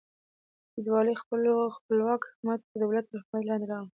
فیوډالي خپلواک حکومتونه د دولت تر حاکمیت لاندې راغلل.